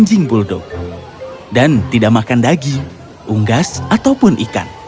dan mereka tidak makan daging unggas atau ikan